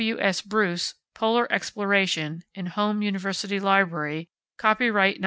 W. S. Bruce, "Polar Exploration" in Home University Library, c. 1911, pp.